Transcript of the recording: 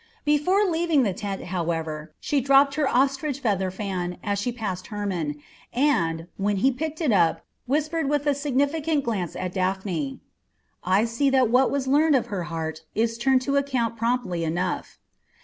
Before leaving the tent, however, she dropped her ostrich feather fan as she passed Hermon, and, when he picked it up, whispered with a significant glance at Daphne, "I see that what was learned of her heart is turned to account promptly enough."